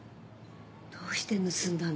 どうして盗んだの？